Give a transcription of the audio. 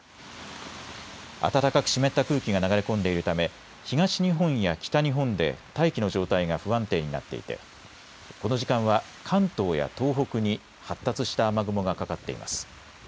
暖かく湿った空気が流れ込んでいるため東日本や北日本で大気の状態が不安定になっていてこの時間は関東や東北に発達した雨雲がかかっています。